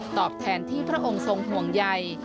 ตอบแทนที่พระองค์ทรงห่วงใย